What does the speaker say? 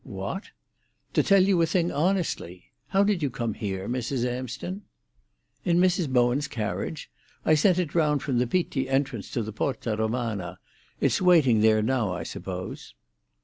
"What?" "To tell you a thing honestly. How did you come here, Mrs. Amsden?" "In Mrs. Bowen's carriage. I sent it round from the Pitti entrance to the Porta Romana. It's waiting there now, I suppose."